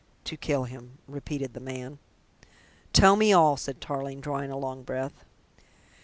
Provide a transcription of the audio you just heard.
"To kill him," repeated the man. "Tell me all," said Tarling, drawing a long breath.